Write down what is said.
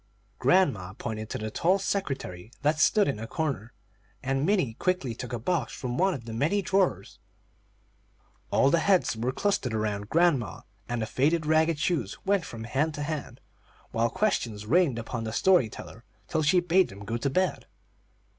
Grandma pointed to the tall secretary that stood in a corner, and Minnie quickly took a box from one of the many drawers. All the heads clustered around grandma, and the faded, ragged shoes went from hand to hand, while questions rained upon the story teller till she bade them go to bed.